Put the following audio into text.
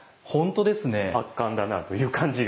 圧巻だなという感じが。